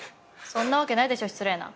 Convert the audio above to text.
そんなわけないでしょ失礼な。